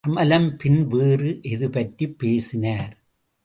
கமலம் பின் வேறு எதுபற்றிப் பேசினார்?